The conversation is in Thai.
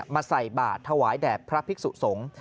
มาใส่บาตรถวายแดบพระพิกษุสงฆ์